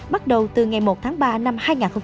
bắt đầu từ ngày một tháng ba năm hai nghìn một mươi chín